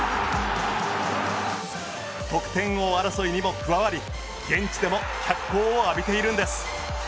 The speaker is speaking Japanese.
得点王争いにも加わり現地でも脚光を浴びているんです。